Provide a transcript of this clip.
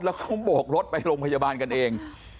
แล้วเขาโบกรถไปโรงพยาบาลกันเอง